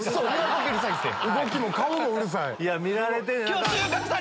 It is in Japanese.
動きも顔もうるさい。